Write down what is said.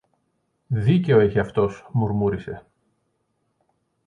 Δίκιο έχει αυτός, μουρμούρισε.